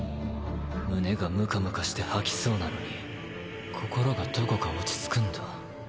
胸がムカムカして吐きそうなのに心がどこか落ち着くんだ